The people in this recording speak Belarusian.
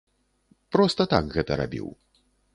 Проста так гэта рабіў.